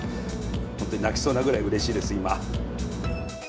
本当に泣きそうなぐらいうれしいです、今。